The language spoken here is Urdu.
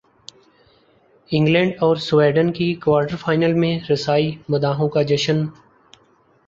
انگلینڈ اور سویڈن کی کوارٹر فائنل میں رسائی مداحوں کا جشن